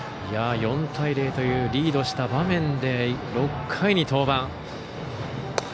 ４対０というリードした場面で６回に登板。